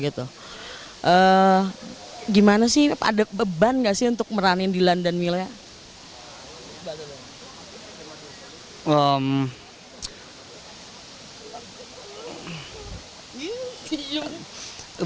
ada beban gak sih untuk meranin dilan dan milea